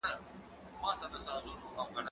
زه به کالي وچولي وي!؟